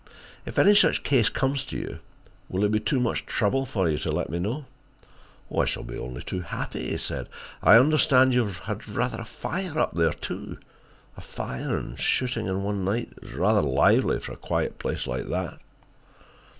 If any such case comes to you, will it be too much trouble for you to let me know?" "I shall be only too happy," he said. "I understand you have had a fire up there, too. A fire and shooting in one night is rather lively for a quiet place like that."